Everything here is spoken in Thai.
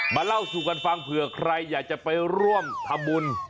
เล่าสู่กันฟังเผื่อใครอยากจะไปร่วมทำบุญ